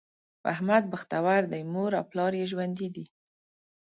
احمد بختور دی؛ مور او پلار یې ژوندي دي.